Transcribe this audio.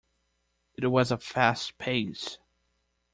It was a fast pace.